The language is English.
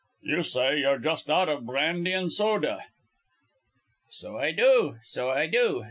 "You say you're just out of brandy and soda." "So I do, so I do.